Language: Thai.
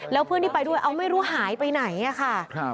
แล้วเพื่อนที่ไปด้วยเอาไม่รู้หายไปไหนอะค่ะ